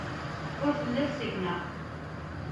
Ur telliḍ seg-neɣ.